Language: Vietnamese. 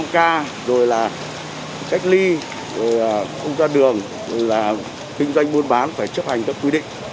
năm k rồi là cách ly rồi là không ra đường rồi là kinh doanh buôn bán phải chấp hành các quy định